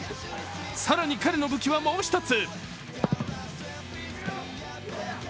更に彼の武器はもう一つ。